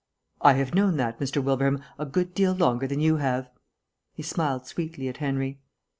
"I have known that, Mr. Wilbraham, a good deal longer than you have." He smiled sweetly at Henry.